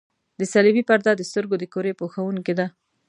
د صلبیې پرده د سترګو د کرې پوښوونکې ده.